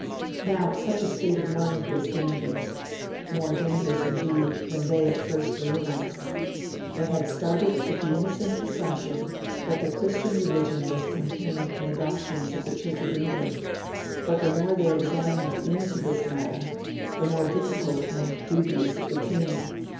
Now such a state of mind was dangerous more dangerous indeed than they at first realised. They had started with the innocent assumption that the Christian Religion was contained in the doctrines of the Church of England; but, the more they examined this matter, the more difficult and dubious it became.